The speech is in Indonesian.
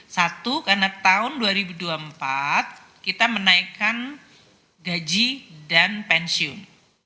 satu karena tahun dua ribu dua puluh empat kita menaikkan gaji dan pensiun